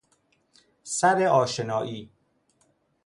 سر ﺁشنائی